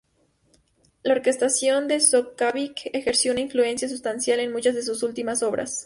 La orquestación de Shostakovich ejerció una influencia sustancial en muchas de sus últimas obras.